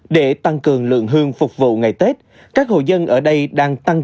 để tăng cường lượng hương phục vụ ngày tết các hồ dân ở đây đang tăng